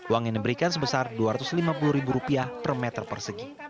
uang yang diberikan sebesar dua ratus lima puluh ribu rupiah per meter persegi